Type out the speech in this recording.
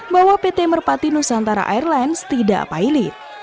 bahwa pt merpati nusantara airlines tidak pilot